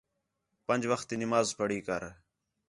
پنڄ وقت تی نماز پڑھی کر